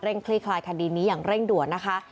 คลี่คลายคดีนี้อย่างเร่งด่วนนะคะ